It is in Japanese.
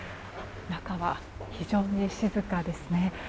中は非常に静かですね。